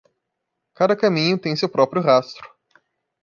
Cada caminho tem seu próprio rastro.